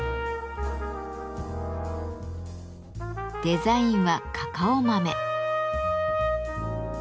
デザインはカカオ豆。